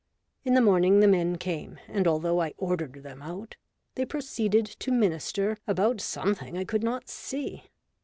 In the morning the men came, and although I ordered them out, they proceeded to minister about something I could not see.